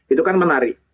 itu kan menarik